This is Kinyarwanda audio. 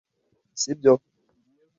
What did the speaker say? si byo